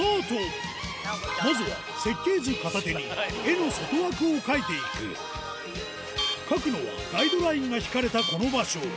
まずは設計図片手に絵の外枠を描いていく描くのはガイドラインが引かれたこの場所